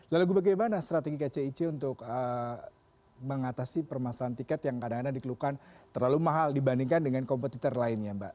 lalu bagaimana strategi kcic untuk mengatasi permasalahan tiket yang kadang kadang dikeluhkan terlalu mahal dibandingkan dengan kompetitor lainnya mbak